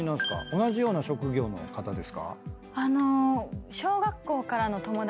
同じような職業の方ですか？